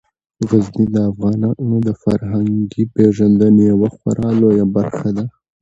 غزني د افغانانو د فرهنګي پیژندنې یوه خورا لویه برخه ده.